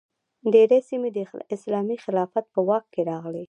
ډیرې سیمې د اسلامي خلافت په واک کې راغلې.